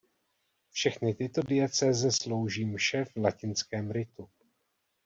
Všechny tyto diecéze slouží mše v latinském ritu.